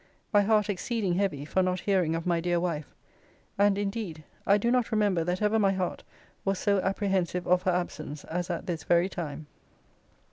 My heart exceeding heavy for not hearing of my dear wife, and indeed I do not remember that ever my heart was so apprehensive of her absence as at this very time.